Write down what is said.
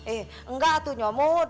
eh enggak tuh nyomut